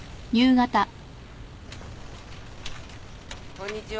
こんにちは。